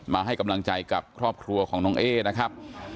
มาให้กำลังใจกับครอบครัวของน้องเอ๊นะครับ